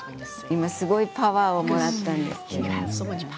今すごいパワーをもらったんですけれど。